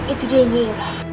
itu dia nyairoh